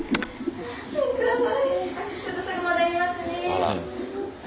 あら。